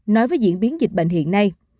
nói với diễn biến dịch bệnh hiện nay